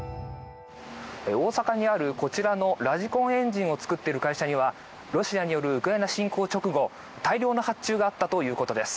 大阪にある、こちらのラジコンエンジンを作っている会社にはロシアによるウクライナ侵攻直後大量の発注があったということです。